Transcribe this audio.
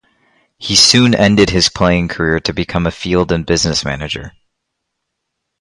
He soon ended his playing career to become field and business manager.